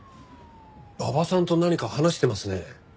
馬場さんと何か話してますね。